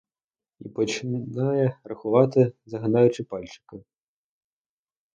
І починає рахувати, загинаючи пальчики.